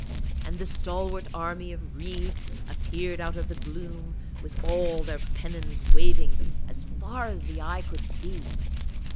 And the stalwart army of reeds appeared out of the gloom with all their pennons waving as far as the eye could see.